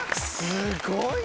すごいね。